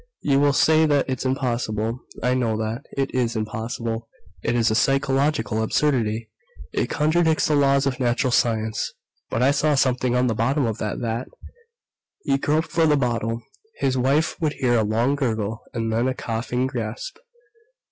"You will say that it's impossible. I know that. It is impossible. It is a physiological absurdity it contradicts the laws of natural science. "But I saw something on the bottom of that vat!" He groped for the bottle. His wife would hear a long gurgle, and then a coughing gasp....